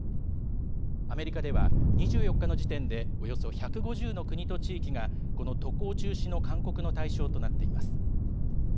アメリカでは、２４日の時点でおよそ１５０の国と地域がこの渡航中止の勧告の対象となっています。